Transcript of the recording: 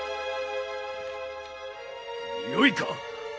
よいか。